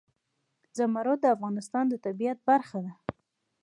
زمرد د افغانستان د طبیعت برخه ده.